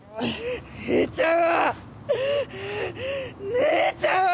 姉ちゃんを！